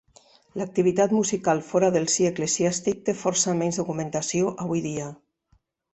L'activitat musical fora del si eclesiàstic, té força menys documentació avui dia.